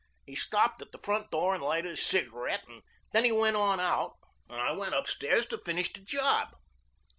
He stopped at the front door and lighted a cigarette and then he went on out, and I went up stairs to finish the job.